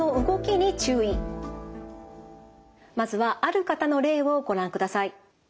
まずはある方の例をご覧ください。